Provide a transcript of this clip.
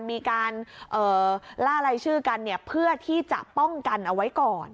มีการล่ารายชื่อกันเพื่อที่จะป้องกันเอาไว้ก่อน